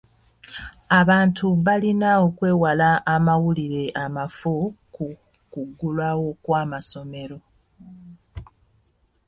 Abantu balina okwewala amawulire amafu ku kuggulawo kw'amasomero.